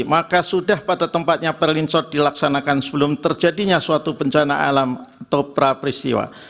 maka sudah pada tempatnya perlinsort dilaksanakan sebelum terjadinya suatu bencana alam topra peristiwa